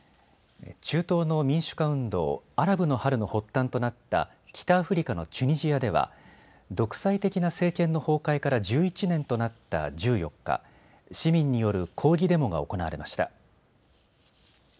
中東の民主化運動、アラブの春の発端となった北アフリカのチュニジアでは独裁的な政権の崩壊から１１年となった１４日、市民による抗議デモが行われました。